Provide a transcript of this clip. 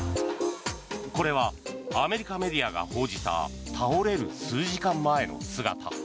これはアメリカメディアが報じた倒れる数時間前の姿。